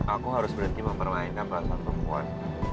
aku harus berhenti mempermainkan perasaan perempuan